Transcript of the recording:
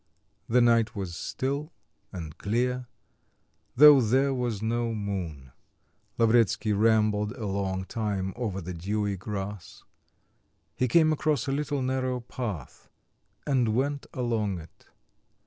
The night was still and clear, though there was no moon. Lavretsky rambled a long time over the dewy grass. He came across a little narrow path; and went along it.